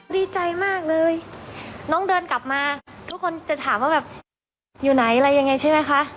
ดีใจมากเลยน้องเดินกลับมาทุกคนจะถามว่าแบบอยู่ไหนอะไรยังไงใช่ไหมคะ